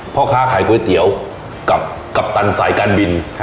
พ่อค้าขายก๋วยเตี๋ยวกับกัปตันสายการบิน